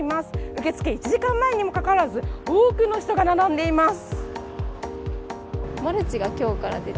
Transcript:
受け付け１時間前にもかかわらず、多くの人が並んでいます。